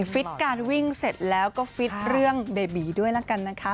ฟิตการวิ่งเสร็จแล้วก็ฟิตเรื่องเบบีด้วยแล้วกันนะคะ